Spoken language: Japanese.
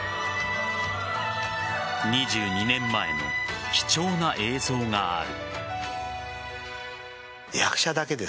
２２年前の貴重な映像がある。